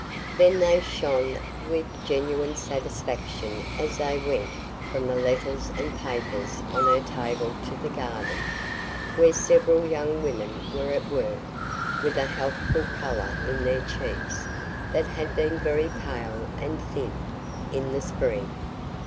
Then they shone with genuine satisfaction as they went from the letters and papers on her table to the garden, where several young women were at work with a healthful color in the cheeks that had been very pale and thin in the spring.